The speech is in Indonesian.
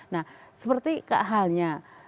nah seperti halnya